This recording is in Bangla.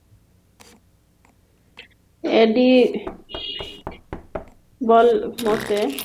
এডিবির মতে, বেসরকারি বিনিয়োগ আকর্ষণে সুসংহত আর্থিক ব্যবস্থাপনা থাকা খুব জরুরি।